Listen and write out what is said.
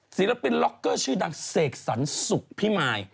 ศิลปินล็อกเกอร์ชื่อดังเสกสรรสุขพิมาย